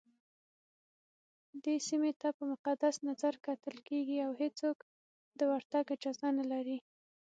دې سيمي ته په مقدس نظرکتل کېږي اوهيڅوک دورتګ اجازه نه لري